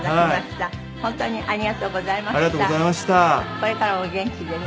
これからもお元気でね。